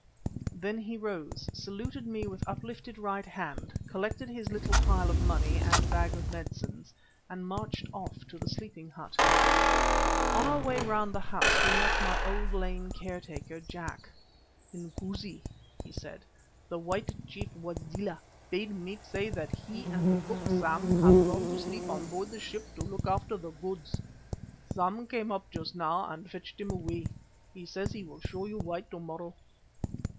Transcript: Then he rose, saluted me with uplifted right hand, collected his little pile of money and bag of medicines and marched off to the sleeping hut. On our way round the house we met my old lame caretaker, Jack. "Inkoosi," he said, "the white chief Wazela bade me say that he and the cook, Sam, have gone to sleep on board the ship to look after the goods. Sam came up just now and fetched him away; he says he will show you why to morrow."